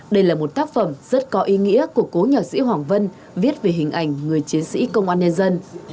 đây là một tác phẩm rất có ý nghĩa của cố nhạc sĩ hoàng vân viết về hình ảnh người chiến sĩ công an nhân dân